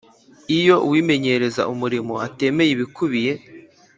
Iyo uwimenyereza umurimo atemeye ibikubiye